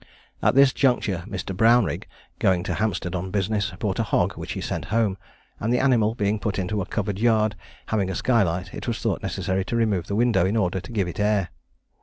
At this juncture Mr. Brownrigg, going to Hampstead on business, bought a hog, which he sent home; and the animal being put into a covered yard, having a skylight, it was thought necessary to remove the window, in order to give to it air.